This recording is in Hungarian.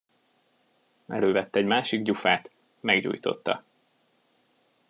Elővett egy másik gyufát, meggyújtotta.